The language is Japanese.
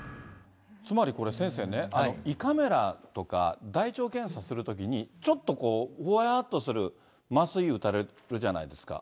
つまりこれ、先生ね、胃カメラとか、大腸検査するときにちょっとこう、ぼやっとする麻酔打たれるじゃないですか。